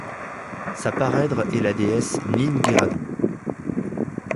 Sa parèdre est la déesse Nin-giradu.